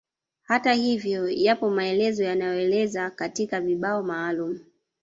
Hata hivyo yapo maelezo yanaoelekeza katika vibao maalumu